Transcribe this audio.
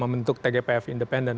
membentuk tgpf independen